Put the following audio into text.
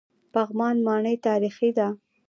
پغمان ماڼۍ تاریخي ده؟